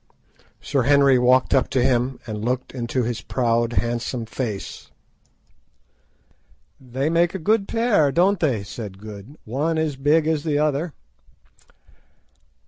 Sir Henry walked up to him and looked into his proud, handsome face. "They make a good pair, don't they?" said Good; "one as big as the other."